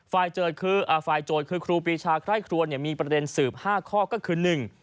ฝ่ายโจทย์คือครูปีชาใคร่ครัวมีประเด็นสืบ๕ข้อก็คือ